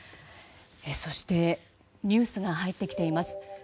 そしてニュースが入ってきています。